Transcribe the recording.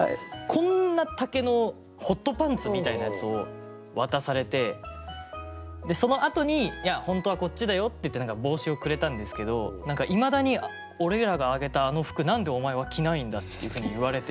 こんな丈のホットパンツみたいなやつを渡されてそのあとに「いや本当はこっちだよ」って言って帽子をくれたんですけど何かいまだに「俺らがあげたあの服何でお前は着ないんだ」っていうふうに言われて。